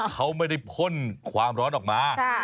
เขาไม่ได้พ่นความร้อนออกมา